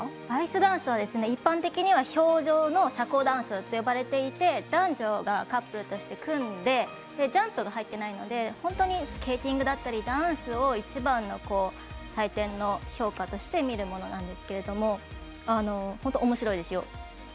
アイスダンスは一般的には氷上の社交ダンスといわれていて男女がカップルとして組んでジャンプが入っていないので本当にスケーティングだったりダンスを一番の採点の評価として見るものなんですけれども本当、おもしろいですよ。